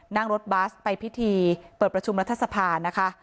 นั่งรถบัสไปพิธีเปิดประชุมรัฐสภานะคะ